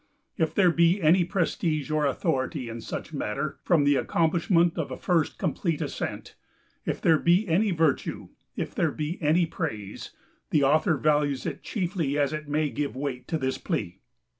If there be any prestige or authority in such matter from the accomplishment of a first complete ascent, "if there be any virtue, if there be any praise," the author values it chiefly as it may give weight to this plea.